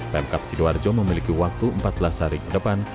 pemkap sidoarjo memiliki waktu empat belas hari ke depan